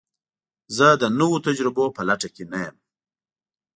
زه د نوو تجربو په لټه کې نه یم.